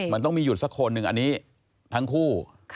มันต้องมีหยุดสักคนหนึ่งอันนี้ทั้งคู่